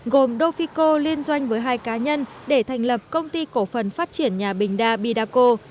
gồm dofico liên doanh với hai cá nhân để thành lập công ty cổ phần phát triển nhà bình đa bidaco